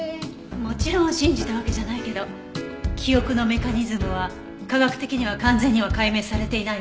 もちろん信じたわけじゃないけど記憶のメカニズムは科学的には完全には解明されていないわ。